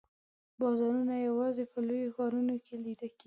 بازارونه یوازي په لویو ښارونو کې لیده کیږي.